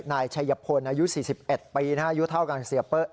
นายชัยพลอายุ๔๑ปีอายุเท่ากันเสียเป๊ะ